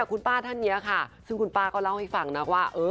คุณป้าท่านนี้ค่ะซึ่งคุณป้าก็เล่าให้ฟังนะว่า